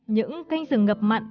những canh rừng ngập mặn